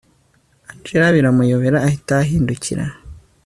angella biramuyobera ahita ahindukira